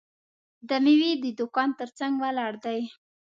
د میوې د دوکان ترڅنګ ولاړ دی.